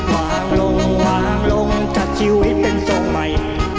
วางลงวางลงจากชีวิตเป็นทรงใหม่